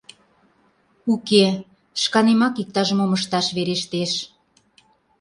Уке, шканемак иктаж-мом ышташ верештеш...